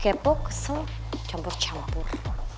kepok kesel campur campur